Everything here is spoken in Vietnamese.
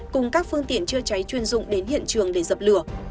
cùng các phương tiện chữa cháy chuyên dụng đến hiện trường để dập lửa